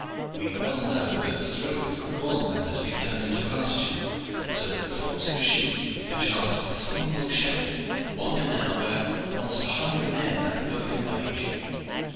We well know that through it corn land has been turned into pasture, so that flocks of sheep with perchance a single shepherd wander now where once a hundred men had work and wage."